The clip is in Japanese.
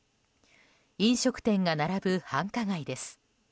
飲食店が並ぶ繁華街です。